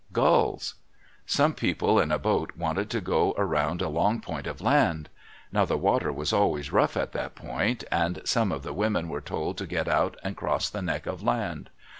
Gulls.—Some people in a boat wanted to go around a long point of land. Now the water was always rough at the point, and some of the women were told to get out and cross the neck of land.